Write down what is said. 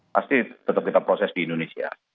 pasti tetap kita proses di indonesia